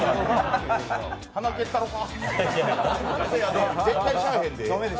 鼻蹴ったろか。